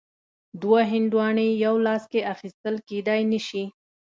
دوه هندواڼې یو لاس کې اخیستل کیدای نه شي.